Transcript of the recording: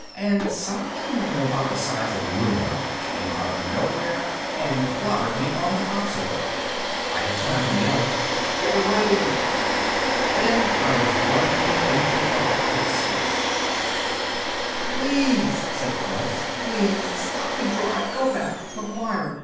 And something about the size of Luna came out of nowhere and clobbered me on the occiput. I had time to yell, "Get away!" Then I was as one with intergalactic space. Please! said the voice. _Please! Stop the drive! Go back! McGuire!